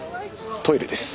トイレです。